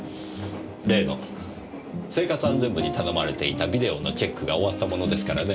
例の生活安全部に頼まれていたビデオのチェックが終わったものですからね。